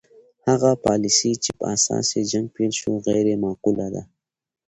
هغه پالیسي چې په اساس یې جنګ پیل شو غیر معقوله ده.